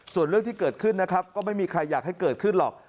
ส่วนเรื่องที่เกิดขึ้นนะครับก็ไม่มีใครอยากให้เกิดขึ้นหรอก